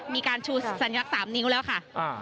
มีการชูสัญลักษณ์๓นิ้วแล้วค่ะ